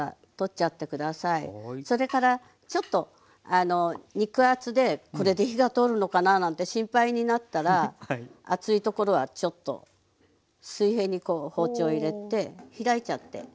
それからちょっと肉厚でこれで火が通るのかななんて心配になったら厚いところはちょっと水平にこう包丁入れて開いちゃって。